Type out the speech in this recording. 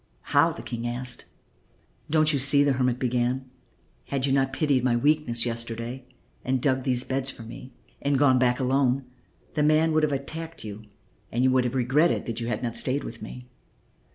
"How?" the King asked. "Don't you see?" the hermit began; "had you not pitied my weakness yesterday and dug these beds for me and gone back alone, the man would have attacked you and you would have regretted that you had not stayed with me.